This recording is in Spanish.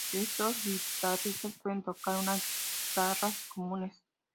Estos guitarristas pueden tocar con guitarras comunes.